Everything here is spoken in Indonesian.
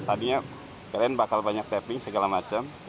tadinya kalian bakal banyak tapping segala macam